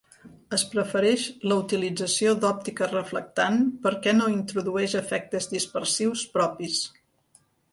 Es prefereix la utilització d'òptica reflectant perquè no introdueix efectes dispersius propis.